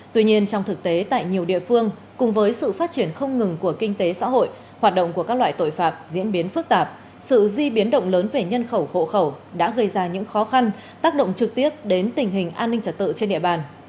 tuy nhiên trong thực tế tại nhiều địa phương cùng với sự phát triển không ngừng của kinh tế xã hội hoạt động của các loại tội phạm diễn biến phức tạp sự di biến động lớn về nhân khẩu hộ khẩu đã gây ra những khó khăn tác động trực tiếp đến tình hình an ninh trật tự trên địa bàn